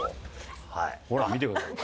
ほら見てください。